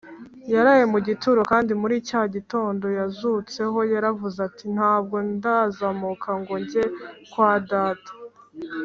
yaraye mu gituro, kandi muri cya gitondo yazutseho yaravuze ati, “ntabwo ndazamuka ngo njye kwa data